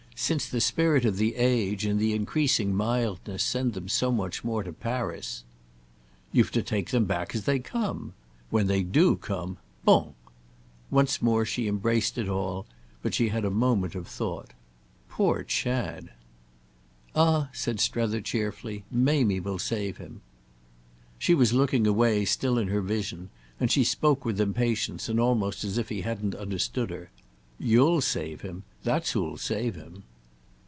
Since the spirit of the age and the increasing mildness send them so much more to Paris—" "You've to take them back as they come. When they do come. Bon!" Once more she embraced it all, but she had a moment of thought. "Poor Chad!" "Ah," said Strether cheerfully "Mamie will save him!" She was looking away, still in her vision, and she spoke with impatience and almost as if he hadn't understood her. "You'll save him. That's who'll save him."